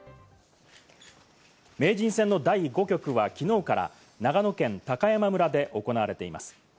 名人戦の第５局はきのうから長野県高山村で行われています。